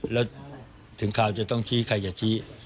แล้วถึงข่าวจะต้องชี้ใครจะชี้